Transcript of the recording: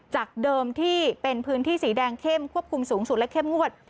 จากเดิมที่เป็นพื้นที่สีแดงเข้มควบคุมสูงสุดและเข้มงวด